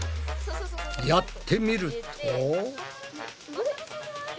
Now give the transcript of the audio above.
やってみると。